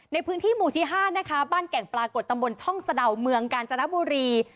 ในพื้นที่หมู่ที่๕นะคะบ้านแก่งปรากฏตำบลช่องสะดาวเมืองกาญจนบุรี